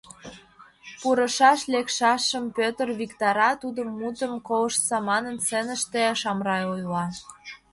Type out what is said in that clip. — Пурышаш-лекшашым Пӧтыр виктара, тудын мутым колыштса, — манын, сценыште Шамрай ойла.